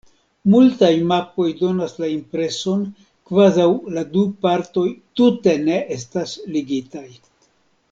Multaj mapoj donas la impreson, kvazaŭ la du partoj tute ne estas ligitaj.